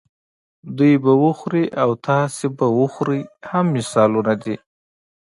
دوی به وخوري او تاسې به وخورئ هم مثالونه دي.